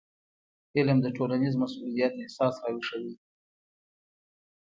علم د ټولنیز مسؤلیت احساس راویښوي.